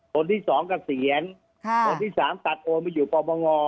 คนที่สองกับเสียรค่ะคนที่สามตัดโอนมาอยู่ปรบงอ